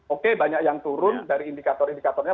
oke banyak yang turun dari indikator indikatornya